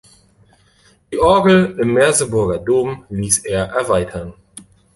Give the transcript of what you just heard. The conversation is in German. Die Orgel im Merseburger Dom ließ er erweitern.